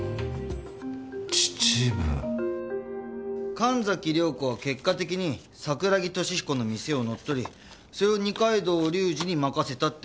神崎涼子は結果的に桜木敏彦の店を乗っ取りそれを二階堂隆二に任せたって事じゃないんですか？